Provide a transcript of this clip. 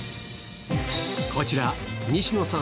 こちら、西野さん